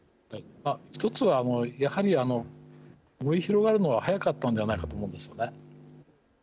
一つはやはり、燃え広がるのが早かったんではないかなと思うんですね。